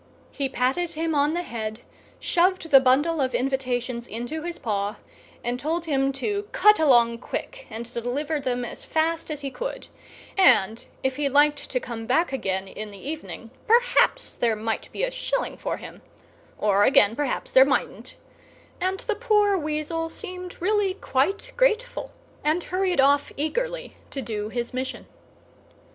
He patted him on the head, shoved the bundle of invitations into his paw, and told him to cut along quick and deliver them as fast as he could, and if he liked to come back again in the evening, perhaps there might be a shilling for him, or, again, perhaps there mightn't; and the poor weasel seemed really quite grateful, and hurried off eagerly to do his mission.